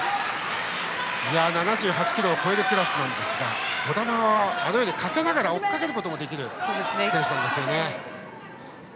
７８ｋｇを超えるクラスですが児玉はかけながら追っかけることのできる選手なんですよね。